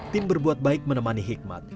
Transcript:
tim berbuat baik menemani hikmat